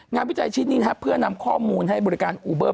วิจัยชิ้นนี้เพื่อนำข้อมูลให้บริการอูเบอร์